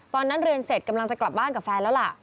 ตอนนั้นเรียนเสร็จกำลังจะกลับบ้านกับแฟนแล้วล่ะ